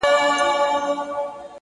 ما ناولونه ، ما كيسې ،ما فلسفې لوستي دي.